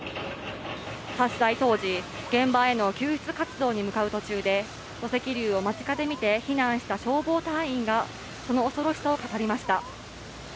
発災当時、現場への救出活動に向かう途中で、土石流を間近で見て、避難した消防隊員が、その恐ろしさを語りました。